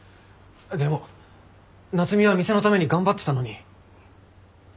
でも夏海は店のために頑張ってたのに。